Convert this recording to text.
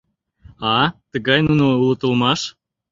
А, тыгай нуно улыт улмаш!